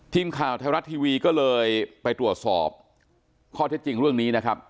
ทีมข่าวไทยรัฐทีวีก็เลยไปตรวจสอบข้อเท็จจริงเรื่องนี้นะครับ